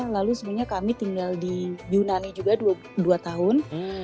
lalu sebenarnya kami tinggal di yunani juga dua tahun